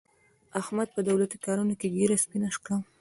احمد په دولتي کارونو کې ږېره سپینه کړه.